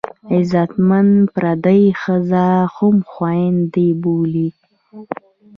غیرتمند پردۍ ښځه هم خوینده بولي